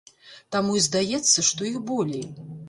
Таму і здаецца, што іх болей.